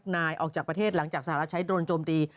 นายออกจากประเทศหลังจากสหรัฐใช้โดรนโจมตี